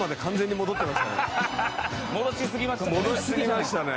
戻しすぎましたね。